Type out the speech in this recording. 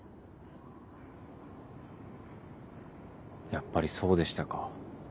やっぱりそうでしたか。